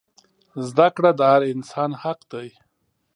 زده کړه د هر انسان حق دی.